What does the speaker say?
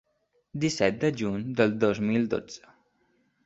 Disset de juny del dos mil dotze.